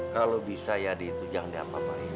kalau bisa yadi itu jangan diapa apai